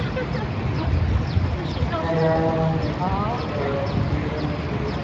Una gran estupa está construida en ese lugar.